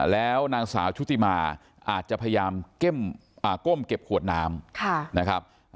แล้วนางสาวชุติมาอาจจะพยายามก้มเก็บขวดน้ำนะครับ